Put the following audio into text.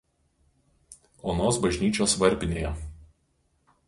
Onos bažnyčios varpinėje.